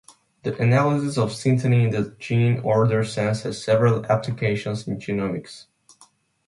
The analysis of synteny in the gene order sense has several applications in genomics.